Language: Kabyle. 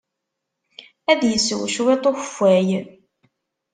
Ad isew cwiṭ n ukeffay.